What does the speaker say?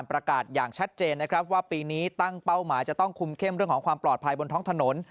เรื่องของความปลอดภัยบนท้องถนน